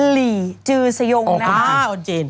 ลีจือสยงนะครับ